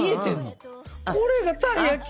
「これがたい焼き？」